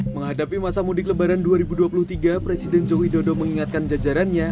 menghadapi masa mudik lebaran dua ribu dua puluh tiga presiden jokowi dodo mengingatkan jajarannya